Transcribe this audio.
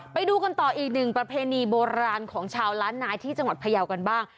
ไปดูกันต่ออีกหนึ่งประเพณีโบราณของชาวล้านนายที่จังหวัดพยาวกันบ้าง